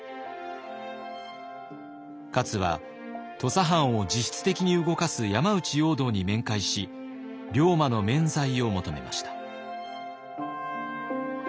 勝は土佐藩を実質的に動かす山内容堂に面会し龍馬の免罪を求めました。